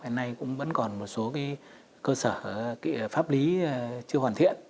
hiện nay cũng vẫn còn một số cơ sở pháp lý chưa hoàn thiện